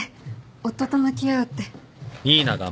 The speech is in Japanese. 夫と向き合うって。